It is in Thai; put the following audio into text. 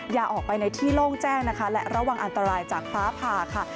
อย่าออกไปในที่โล่งแจ้งนะคะและระวังอันตรายจากฟ้าผ่าค่ะ